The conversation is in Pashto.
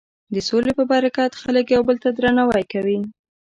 د سولې په برکت خلک یو بل ته درناوی کوي.